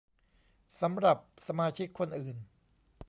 สำหรับสมาชิกคนอื่น